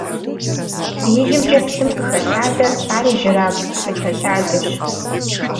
ИжьымкӀэ псым къыхэлъадэр ар ижьырабгъу псы хэлъадэщ.